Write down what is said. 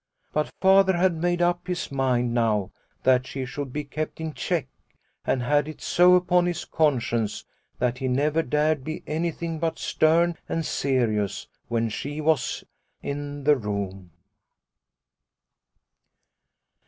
But Father had made up his mind now that she should be kept in check, and had it so upon his conscience that he never dared be anything but stern and serious when she was in the room.